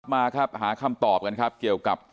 มาครับหาคำตอบกันครับเกี่ยวกับ